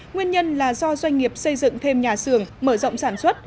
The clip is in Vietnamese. nguyên nhân là do doanh nghiệp xây dựng thêm nhà xưởng mở rộng sản xuất